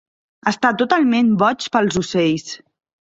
Està totalment boig pels ocells.